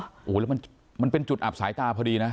โอ้โหแล้วมันเป็นจุดอับสายตาพอดีนะ